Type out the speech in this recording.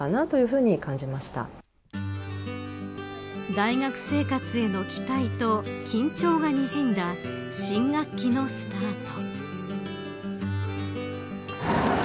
大学生活への期待と緊張がにじんだ新学期のスタート。